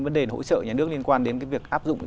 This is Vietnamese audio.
vấn đề hỗ trợ nhà nước liên quan đến cái việc áp dụng